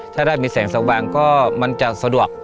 ถ้าได้มีแสงสว่างก็มันจะสะดวก